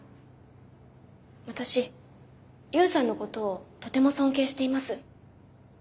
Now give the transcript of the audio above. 私勇さんのことをとても尊敬しています。